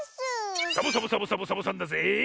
サボサボサボサボサボさんだぜえ！